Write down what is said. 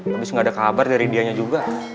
habis nggak ada kabar dari dianya juga